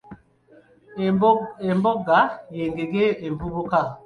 Embogga y'engege envubuka.